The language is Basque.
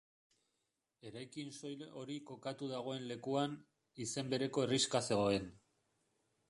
Eraikin soil hori kokatu dagoen lekuan, izen bereko herrixka zegoen.